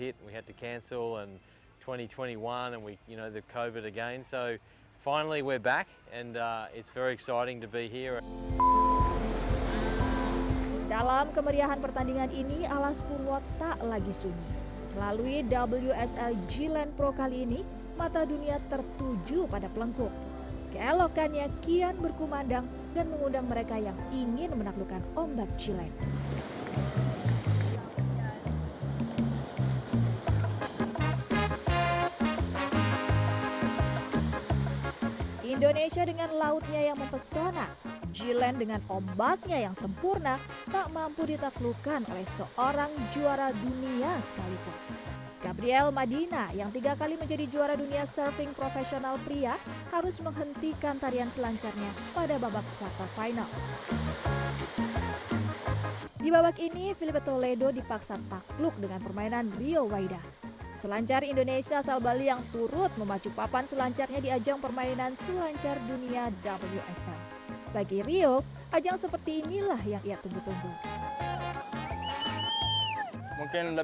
itu lebih baik itu sulit untuk mencapai kekurangan tapi ketika kita datang ke sini kita merasa baik dan itu membantu banyak